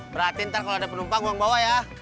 perhatiin nanti kalau ada penumpang gue bawa ya